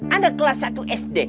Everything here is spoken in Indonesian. anak kelas satu sd